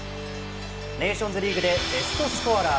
ネーションズリーグでベストスコアラー